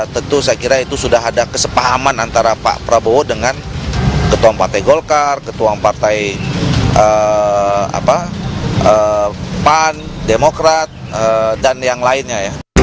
tentu saya kira itu sudah ada kesepahaman antara pak prabowo dengan ketua partai golkar ketua partai pan demokrat dan yang lainnya